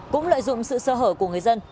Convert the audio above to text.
cũng lợi dụng sự sơ hở của người dân